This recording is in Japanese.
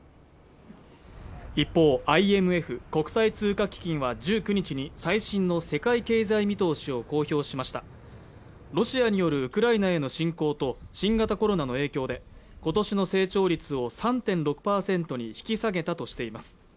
一方ＩＭＦ＝国際通貨基金は１９日に最新の世界経済見通しを公表しましたロシアによるウクライナへの侵攻と新型コロナの影響でことしの成長率を３．６％に引き下げたとしています